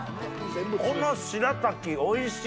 このしらたきおいしい！